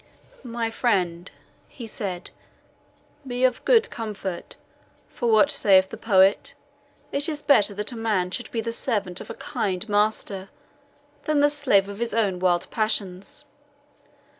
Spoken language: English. "My friend," he said, "be of good comfort; for what saith the poet it is better that a man should be the servant of a kind master than the slave of his own wild passions.